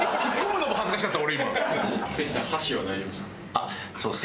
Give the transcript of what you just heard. あっそうですね。